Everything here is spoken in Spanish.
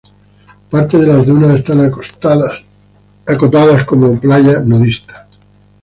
Parte de las dunas están acotadas como playa nudista.